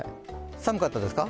寒かったですか？